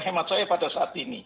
hemat saya pada saat ini